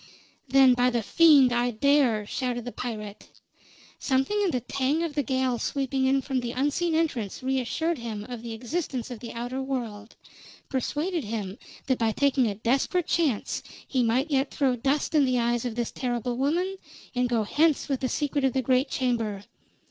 "Then, by the fiend, I dare!" shouted the pirate. Something in the tang of the gale sweeping in from the unseen entrance reassured him of the existence of the outer world; persuaded him that by taking a desperate chance he might yet throw dust in the eyes of this terrible woman and go hence with the secret of the great chamber.